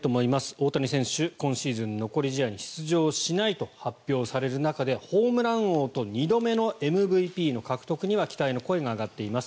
大谷選手、今シーズン残り試合に出場しないと発表される中でホームラン王と２度目のＭＶＰの獲得には期待の声が上がっています。